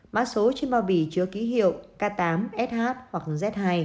mã số trên bao bì chứa ký hiệu k tám sh hoặc z hai